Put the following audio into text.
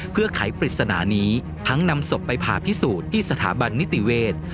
เพื่อไขปริศนานี้ทั้งนำศพไปผ่าพิสูจน์ที่สถาบันนิติเวศ